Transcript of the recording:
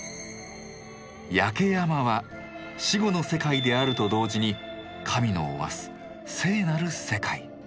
焼山は死後の世界であると同時に神のおわす「聖」なる世界。